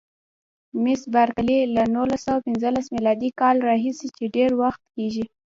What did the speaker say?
مس بارکلي: له نولس سوه پنځلسم میلادي کال راهیسې چې ډېر وخت کېږي.